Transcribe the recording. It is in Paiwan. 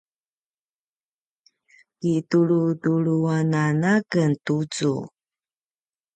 kitulutulu anan a ken tucu